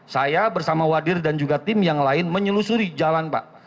saya bersama wadir dan juga tim yang lain menyelusuri jalan pak